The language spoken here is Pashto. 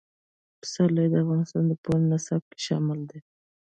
پسرلی د افغانستان د پوهنې نصاب کې شامل دي.